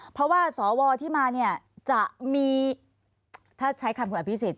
เพราะว่าสวที่มาเนี่ยจะมีถ้าใช้คำคุณอภิษฎ